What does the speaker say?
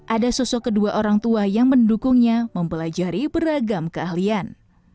ada sosok kedua orang tua yang mendukungnya mempelajari beragam keahlian